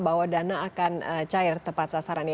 bahwa dana akan cair tepat sasarannya